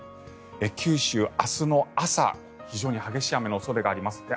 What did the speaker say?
九州、明日の朝非常に激しい雨の恐れがあります。